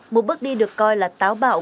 một bước đi được coi là táo bạo